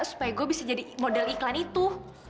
supaya gue bisa jadi model iklan itu